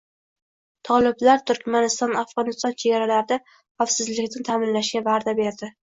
Toliblar Turkmaniston – Afg‘oniston chegaralarida xavfsizlikni ta’minlashga va’da berding